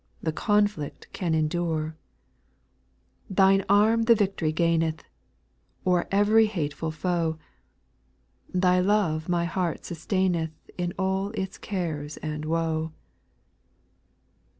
The conflict can endure : Thine arm the vict'ry gaineth O'er every hateful foe ; Thy love my heart sustaineth In all its cares and woe.